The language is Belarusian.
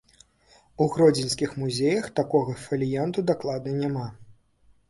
У гродзенскіх музеях такога фаліянту дакладна няма.